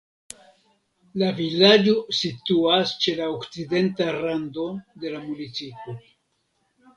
La vilaĝo situas ĉe la okcidenta rando de la municipo.